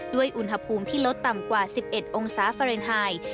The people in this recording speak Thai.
ด้วยอุณหภูมิที่ลดต่ำกว่า๑๑องศาเฟอร์เอนไฮน์